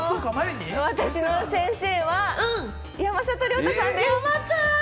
私の先生は山里亮太さんです！